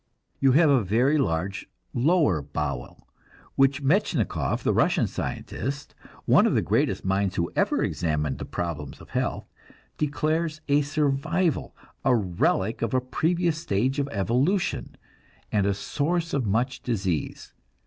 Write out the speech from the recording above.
You have a very large lower bowel, which Metchnikoff, the Russian scientist, one of the greatest minds who ever examined the problems of health, declares a survival, the relic of a previous stage of evolution, and a source of much disease.